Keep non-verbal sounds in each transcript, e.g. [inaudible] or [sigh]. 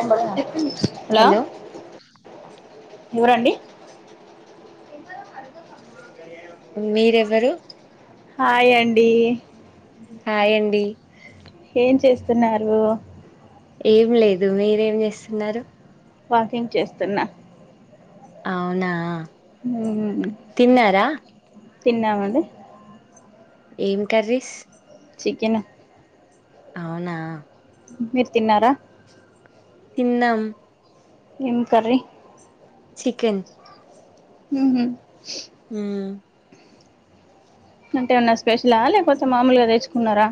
ఎం బలం హలో ఎవరండి మీరెవరు హాయ్ అండి హాయ్ అండి ఏం చేస్త తున్నారు ఏం లేదు మీరేం చేస్తున్నారు వాకింగ్ చేస్తున్నా అవునా ఉ తిన్నారా తిన్నామండి ఏం కర్రీస్ చికెన్ అవునా మీరు తిన్నారా తిన్నాం ఏం కర్రీ చికెన్ హూహు మ్ అంటే ఏమన్నా స్పెషలా లేకపోతే మామూలుగా తెచ్చుకున్నారా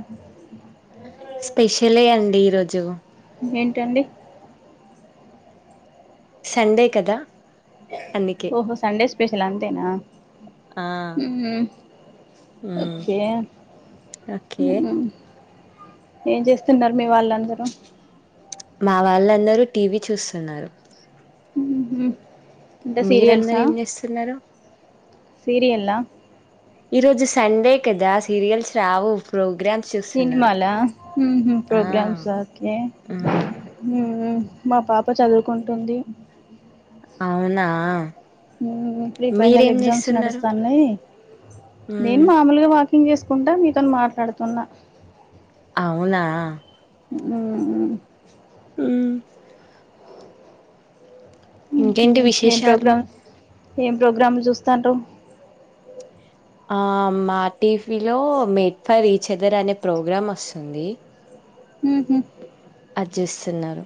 స్పెషలే అండి ఈరోజు ఏంటండి సండే కదా అందుకే ఓహో సండే స్పె స్పెషల్ అంతేనా ఆ ఉ మ్మ్ ఓకే ఓకే ఏం చేస్తున్నారు మీ వాళ్ళందరూ మా వాళ్ళందరూ టీవీ చూస్తున్నారు ఉ హ్ మీరందరు ఏం చేస్తున్నారు సీరియల్ లా ఈరోజు సండే కదా సీరియల్స్ రావు ప్రోగ్రామ్ సినిమాల మ్ హ్ ఆ ప్రోగ్రామ్స్ ఆ ఓకే మ్మ్ మ్ మ్ మా పాప చదువుకుంటుంది అవునా మ్ ప్రీ ఫైనల్ మీరేం ఎగ్జామ్స్ చేస్తున్నారు నడుస్తాన్నాయి నేను మ్మ్ మామూలుగా వా ఫిన్ చేసుకుంటా మీతోని మాట్లాడుతున్నా అవునా మ్ మ్ మ్ ఇంకేంటి మ్మ్ విశేషాలు ఏం ప్రోగ్రామ్ లు చూస్తాన్రు ఆ మా టీవీలో మేడ్ ఫర్ ఈచ్ అదర్ అనే ప్రోగ్రాం వస్తుంది హ్ హ్ అర్జిస్తున్నారు.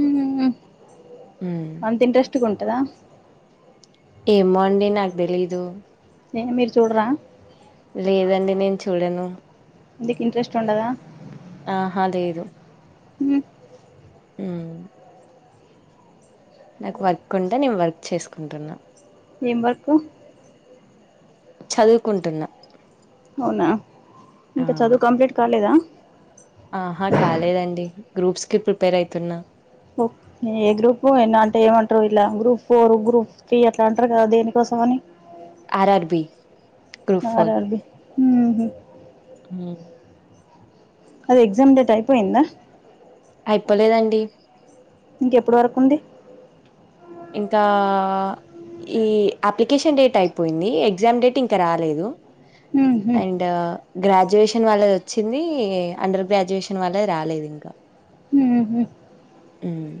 ఉమ్ మ్మ్ అంత ఇంట్రెస్ట్ కట్టుకుంటదా ఏమో అండి నాక్ తెలీదు. ఏ మీరు చూడరా లేదండి నేను చూడను ఎందుకు ఇంట్రెస్ట్ ఉండదా ఆహ లేదు మ్ మ్ నాకు వర్క్ ఉంటే నేను వర్క్ చేసుకుంటున్నా ఏం వర్కు చదువుకుంటున్నా అవునా ఆ ఇంకా చదువు కంప్లీట్ కాలేదా ఆహా కాలేదండి గ్రూప్స్కి ప్రిపేర్ అయితున్నా ఏ గ్రూపు ఎన్న అంటే ఏమంటరు ఇట్ల గ్రూప్ ఫోరు, గ్రూప్ త్రీ అట్ల అంటరు కదా దేనికోసం అని R R B group four హ్ హ్ హ అది ఎగ్జామ్ డేట్ అయిపోయిందా అయిపోలేదండి. ఇంకెప్పుడు వరకు ఉంది ఇంకా ఆ ఈ అప్లికేషన్ డేట్ అయిపోయింది. ఎగ్జామ్ డేట్ ఇంకా రాలేదు. ఉహు అండ్ గ్రాజ్ డ్యుయేషన్ వాళ్ళది వచ్చింది. అండర్ గ్రాడ్యుయేషన్ వాళ్ళది రాలేదు ఇంకా మ్ హ్ మ్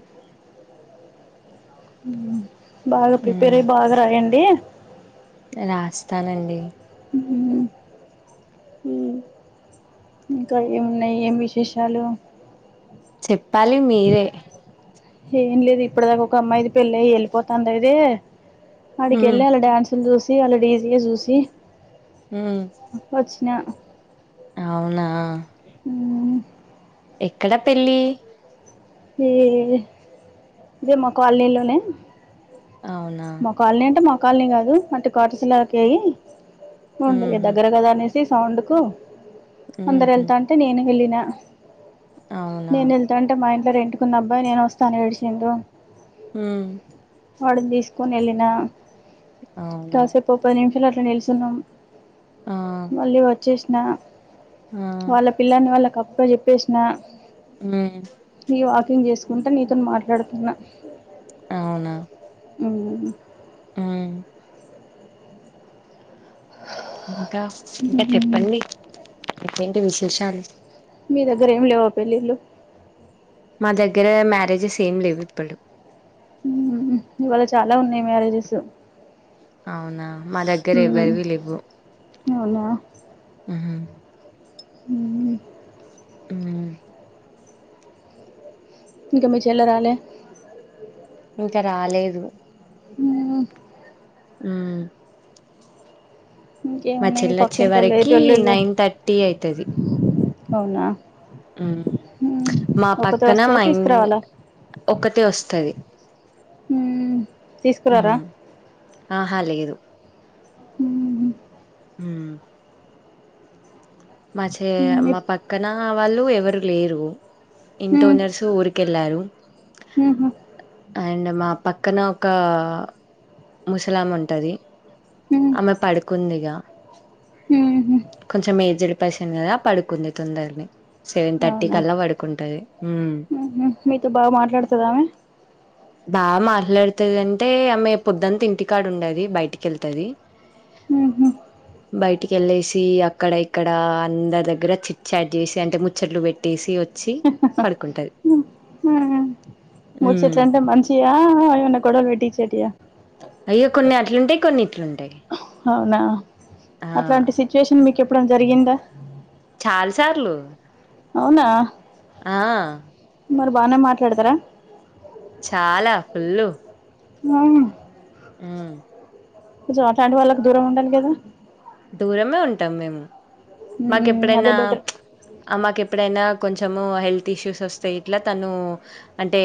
బాగా ప్రిపేర్ మ్మ్ అయి బాగా రాయండి. రాస్తానండి. ఉహు హ్ ఇంకా ఏమున్నయి ఏం విశేషాలు చెప్పాలి మీరే ఏం లేదు ఇప్పటిదాకా ఒక అమ్మాయిది పెళ్లై ఎళ్ళిపోతాందయితే మ్మ్ ఆడికెళ్ళి ఆళ్ల డాన్స్లు చూస్ [unintelligible] జూసి ఉమ్మ్ న అవునా ఊమ్మ్ ఎక్కడ పెళ్ళి ఈ ఇది ఇదే మా కాలనీలోనే అవునా మా కాలనీ అంట మా కాలని కాదు అంటే కాటిసులాకే ఓందొ మ్మ్ దగ్గర గదా అనేసి తి సౌండ్ కు అందర్ మ్మ్ ఎళ్తా ఉంటే నేను వెళ్ళి అ అవునా నేను వెళ్తా అంటే మా అయన్ ది రెంటుకున్న అబ్బాయి నేను వస్తాను విడిచిందు మ్మ్ వాడిని తీసుకొని ఎళ్ళినా అవునా కాసేపోప్పోనే ద్దురూ అట్ల నిల్చున్నాం ఆ మళ్ళీ వచ్చేస్ నా ఆ వాళ్ళ పిల్లని వాళ్ళ కప్ పూలిప్పేసిన [unintelligible] అంటే నీతోని మాట్లాడుతున్నా అవునా అవు ఆ ఇంకా ఇంకా చెప్పండి టి విశేషాలు మీ దగ్గర ఏం లేవా పెళ్ళిళ్ళు మా దగ్గర ఏ మ్యారేజెస్ ఏం లేవు ఇప్పుడు ఊహూ ఇవాళ చాలా ఉన్నాయి మ్యారేజెస్ అవునా మా దగ్గర ఎవ్వరివి లెవ్వు అవునా హుమ్మ్ ఊమ్మ్ ఊ ఇంక మీరు చెల్లె రాలే ఇంక రాలేదు ఊ మా ఇంకేమున్నాయి మీ చెల్లొచ్చే పక్కింటోళ్ళు వరకి ఎటోళ్ళు నైన్ థర్టీ ఐతది అవునా ఉమ్ మా ఒకతే పక్కన వస్తా మా ఇన్ తీసుకురావాలా ఒక్కతే వస్తది హుమ్ ఉమ్ ఆహ లేగేదు హ్మ్ ఉమ్ మా చే హ్మ్ మా పక్కన వాళ్ళు ఎవరు లేరు హ్మ్ ఇంటనర్స్ ఊరికెళ్ళారు ఊహూ అండ్ మా పక్కన ఒక ముసలాం ఉంటది హ్మ్ ఆమె పడుకుందిగా ఊహూ కొంచెం ఏజడి పసింది కద పడుకుంది తొందరిని సెవెన్ థర్టీ కల్లా పడుకుంటది ఉమ్ ఉమ్ మీతో బాగా మాట్లాడుతుందామె అట్లాడుతుంది అంటే ఆమె పొదుంత ఇంటికాడు ఉండది బయటికి వెళ్తుది ఊహూ బయటికి వెళ్ళేసి అక్కడ ఇక్కడ అందరి దగ్గర చిట్చాట్ చేసి అంటే ముచ్చట్లు పెట్టేసి వచ్చి పడుకుంటది ముచ్చట్ల ఉమ్ అంటే మంచియా ఏమన్నా గొడవలు పెట్టి చెటియా అయ్యా కొన్ని అట్లుంటాయి కొన్ని ఇట్లుంటాయి అవునా ఆ అట్లాంటి సిచ్యువేషన్ మీకు ఎప్పు ఇప్పుడం జరిగిందా కాల్సార్లు అవునా ఆ మరి బాగానే మాట్లాడతారా చాలా ఫుల్లు వా ఆ కొంచం అట్లాంటి వాళ్ళకు దూరం ఉండాలి కదా దూరమే ఉంటాం మేము మాకు హ్మ్ ఎప్పుడైనా అదే బెటర్ మాకు ఎప్పుడైనా కొంచెం హెల్త్ ఇష్యూస్ వస్తాయి ఇట్లా తను అంటే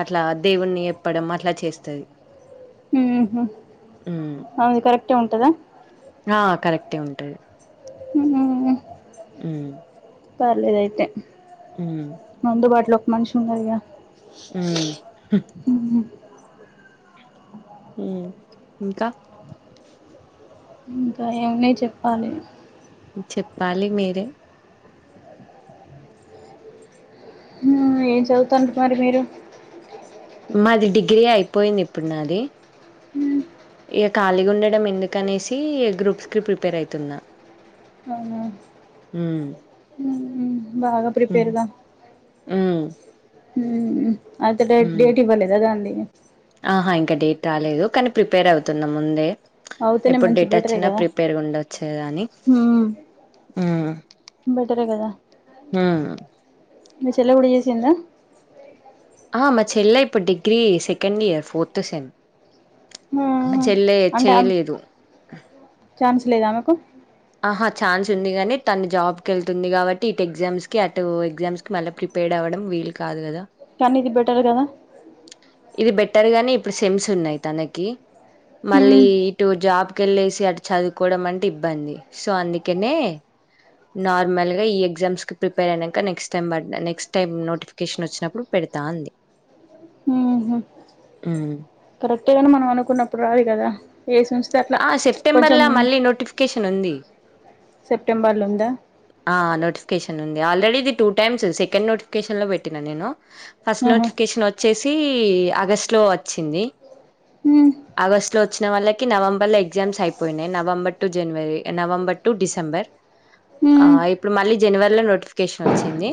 అట్లా దేవుని ఎప్పడం అట్లా చేస్తుంది అది కరెక్ అట్టే ఉంటందా ఆ కరెక్టే ఉంటది ఉ హ్మ్ పర్లేదు అయితే హ్మ్. అందుబాటులో మనిష ఉండరిగా మ్ ఇంకా ఇంకా ఏమనే చెప్పాలి చెప్పాలి మీరే ఏం చదువుతంట మరి మీరు మాది డిగ్రీ అయిపోయింది ఇప్పుడు నాది ఇక ఖాళీగా ఉండడం ఎందుకనేసి గ్రూప్స్ కి ప్రిపేర్ అయితున్నా అవునా మ్ ఉమ్, బాగా ప్రిపేర్గా హ్మ్. మ్మ్ అయితే డెేట్ డెటీ పర్లేదా దాంది [unintelligible] ఆహా ఇంకా డేట్ రాలేదు కానీ ప్రిపేర్ అవుతున్నా ముందే అవుతేనే ఎప్పుడు మంచి డేట్ బెటరే వచ్చినా కదా ప్రిపేర్ ఉండొచ్చని ఉమ్, మ్ బెటరే హ్మ్మ్ ను చెల్ల గుడి చేేసిందా ఆ మా చెల్లె ఇప్పుడు degree second year fourth sem ఉమ్, చెల్లే అంటే ఆమె చెయలేదు ఛాన్స్ లేదా ఆమెకు ఆహా ఛాన్స్ ఉంది కాగానీ తన జాబ్కి వెళ్తుంది కాబట్టి ఇటు ఎగ్జామ్స్ కి అటు ఎగ్జామ్స్ కి మళ్ళీ ప్రిపేర్ అవ్వడం వీలు కాదు కదా కానీ ఇది బెటర్ కదా ఇది బెటర్ గాని ఇప్పుడు సెమ్స్ ఉన్నాయి తనకి మళ్ళీ ఉమ్, ఇటు జాబ్ కెళ్ళేసి అ చదువుకోవడం అంటే ఇబ్బంది సో అందుకనే చదువు కోవడం అంటే ఇబ్బంది సో అందుకనే నార్మల్ గా ఈ ఎగ్జామ్స్ కి ప్రిపేర్ అయినాక నెక్స్ట్ టైమ్ ప నెక్స్ట్ టైం నోటిఫికేషన్ వచ్చినప్పుడు పెడతా అంది మ్ పెట్గాని మనం అనుకున్నప్పుడు రాదు కదా ఏసి ఉంచితే అట్లా ఆ సెప్టెంబర్ కొంచెం ల్లా మళ్ళీ నోటిఫికేషన్ ఉంది సెప్టెంబర్లో ఉందా ఆ నోటిఫికేషన్ ఉంది ఆల్రెడీ ఇది టూ టైమ్స్ సెకండ్ నోటిఫికేషన్ లో పెట్టినా నేను ఫస్ట్ ఆహా నోటిఫికేషన్ వ వచ్చేసి ఆగస్ట్ లో వచ్చింది ఉమ్ ఆగస్ట్ లో వచ్చిన వాళ్లకి నవంబర్ లో ఎగ్జామ్స్ అయిపోయినాయి November to January November to December ఉమ్ ఇప్పుడు మళ్ళీ జనవరిలో నోటిఫికేషన్ వచ్చింది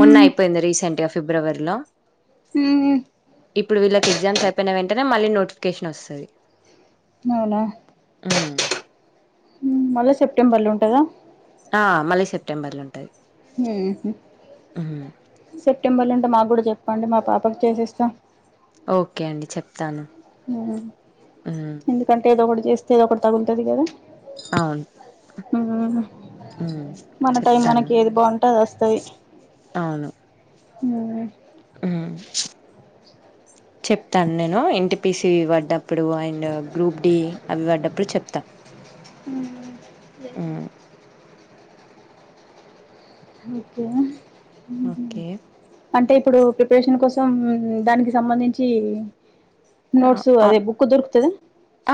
మొన్న ఉమ్ అయిపోయింది రీసెంట్ గా ఫిబ్రవరిలో ఉమ్ ఇప్పుడు వీళ్ళకి ఎగ్జామ్స్ అయిపోయిన వెంటనే మళ్ళ నోటిఫికేషన్ వస్తది. నవునా మ్ మళ్ళా సెప్టెంబర్ లో ఉంటదా? ఆ మళ్ళీ సెప్టెంబర్ లో ఉంటది. మ్ ఉమ్ సెప్టెంబర్ లో ఉంటే మాగుడా చెప్పండి మా పాపకు చేసేస్తాం. ఓకే అండి చెప్తాను. ఉమ్ ఎందుకంటే ఏదో ఒకటి చేస్ ఏదో ఒకటి తాగుల్తది కదా అవును ఉమ్ మన టైం చెప్తాను మనకి ఏది బాగుంటే అది వస్తది ఊ ఉ చెప్తాను నేను ఎన్టీపిసి వడ్డప్పుడు అండ్ గ్రూప్ డి అవి వడ్డప్పుడు చెప్త ఊ ఆ ఓకే ఉహు ఓకే అంటే ఇప్పుడు ప్రిపరేషన్ కోసం దానికి సంబంధించి ఆహ్, నోట్సు ఆ అదే బుక్ దొరుకుతది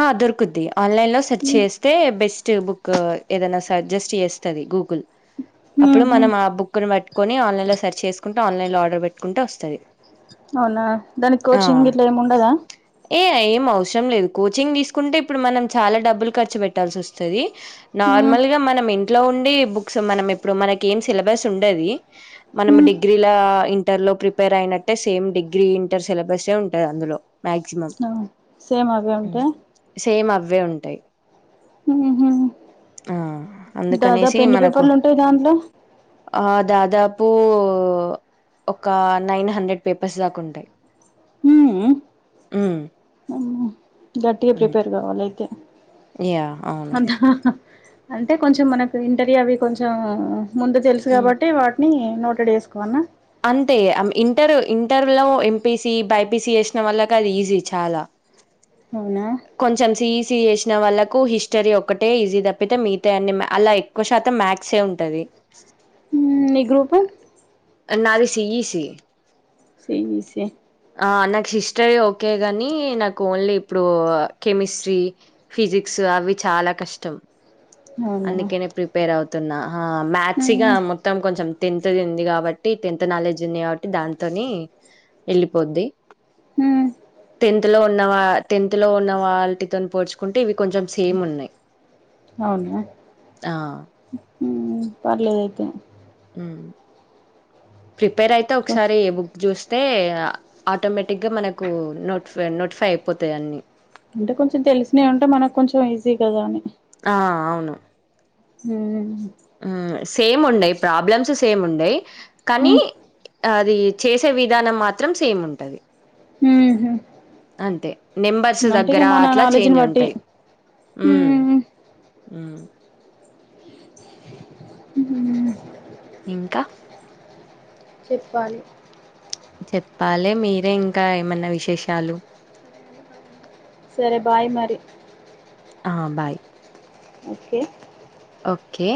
ఆ దొరుకుద్ది ఆన్లైన్ లో సెర్చ్ ఉమ్ చేస్తే బెస్ట్ బుక్ ఆ ఏదనా సజ్జేస్ట్ చేస్తది గూగుల్ అప్పుడు ఉహు మనం ఆ బుక్ ని పట్టుకొని ఆన్లైన్ లో సెర్చ్ చేసుకుంటే ఆన్లైన్ లో ఆర్డర్ పెట్టుకుంటే వస్తది అవునా దానికి కోచింగ్ ఇట్లా ఏం ఉండదా ఏయ ఏం అవసరం లేదు కోచింగ్ తీసుకుంటే ఇప్పుడు మనం చాలా డబ్బులు ఖర్చు పెట్టాల్సి వస్తది ఉమ్ నార్మల్ గా మనం ఇం ఇట్లా ఉండి బుక్స్ మనం ఇప్పుడు మనకి ఏం సిలబస్ ఉండది మనం ఉమ్ డిగ్రీల ఇంటర్ లో ప్రిపేర్ అయినట్టే సేమ్ డిగ్రీ ఇంటర్ సిలబస్ ఏ ఉంటంది అందులో మ్యాక్సిమం ఆ సేమ్ అవె ఉంటే అవే ఉంటాయి ఆ దాదాపు అందుకనేసి ఎన్ని మనకు పేపర్లు ఉంటాయి దాంట్లో ఆ దాదా ప్ ఒ ఒక నైన్ హండ్రెడ్ పేపర్స్ దాకా ఉంటాయి ఉ అమ్మో గట్టిగా ప్రిపేర్ కావాలయితే యా అవును అంటే కొంచెం మనకు ఇంటర్వ్యూ అవి కొంచెం ముందు తెలుసు హ్మ్ కాబట్టి వాట్ ఉ నోటెడ్ చేసుకోవన్న అంతే ఇగ అమ్ ఇంటర్ ఇంటర్లో ఎంపీసి బైపీసీ చేసిన వల్లకి అది ఈజీ చాలా అవునా కొంచెం సీఈసి చేసిన వాళ్ళకు హిస్టరీ ఒక్కటే ఈజీ తప్పితే మిగత అన్నీ అలా ఎక్కువ శాతం మ్యాథ్సే ఉంటది ఊ మీ గ్రూపు నాది సిఈసి సీఇసీ ఆ నాకు శిస్టరీ ఓకే గాని నాకు ఓన్లీ ఇప్పుడు కెమిస్ట్రీ ఫిజిక్స్ అవి చాలా కష్టం అవునా అందుకే నే ప్రిపేర్ అవు తున్నా ఆ మ్యాథచిగా మొత్తం కొంచెం టెన్త్ది ఉంది కాబట్టి టెన్త్ నాలెడ్జ్ ఉంది కాబట్టి దాతోని వెళ్ళిపోద్ది టెన్త్ లో ఉన్న వా టెన్త్ లో ఉన్న వాళటితో పోడ్చుకుంటే ఇవి కొంచెం సేమ్ ఉన్నాయి ఆ ఉమ్ ఆ పర్లేదు అయితే ఉమ్ ప్రిపేర్ అయితే ఒకసారి ఏ బుక్ చూస్త త ఆటోమేటిక్గా మనకు నోటిఫై నోటిఫై అయిపోతాయి అన్ని అంటే కొంచెం తెలిసినవి ఉంటే మనకు కొంచెం ఈజీ కదా అని ఆ అవును హ్మ్ ఆ సేమ్ ఉండయి్ ప్రాబ్లమ్స్ సేమ్ ఉండయి కానీ అది చేసే విధ విధానం మాత్రం సేమ్ ఉంటది ఉహు అంతే నెంబర్స్ అంటే ఇగ దగ్గర మన అట్లా నాలెడ్జ్ని చేంజ్ బట్టి ఉంటాయి ఉమ్ ఇంకా చెప్పాలి చెప్పాలి మీరే ఇంకా ఏమన్నా విశేషాలు సరే బాయ్ మరి ఆ బాయ్ ఓకే ఓకే